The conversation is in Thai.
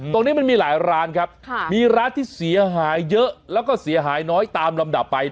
ตรงนี้มันมีหลายร้านครับมีร้านที่เสียหายเยอะแล้วก็เสียหายน้อยตามลำดับไป